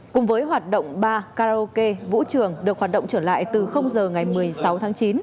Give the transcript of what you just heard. cùng với hoạt động ba karaoke vũ trường được hoạt động trở lại từ giờ ngày một mươi sáu tháng chín